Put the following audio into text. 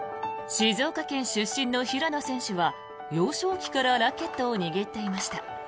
静岡県出身の平野選手は幼少期からラケットを握っていました。